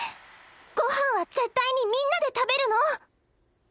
ご飯は絶対にみんなで食べるの。